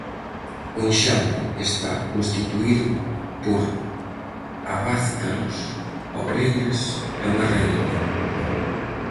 O enxame está constituído por abázcaros, obreiras e unha raíña.